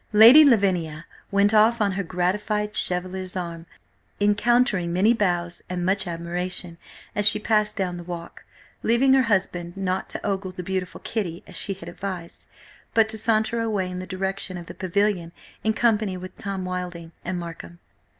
Lady Lavinia went off on her gratified cavalier's arm, encountering many bows and much admiration as she passed down the walk, leaving her husband not to ogle the beautiful Kitty, as she had advised, but to saunter away in the direction of the Pavilion in company with Tom Wilding and Markham.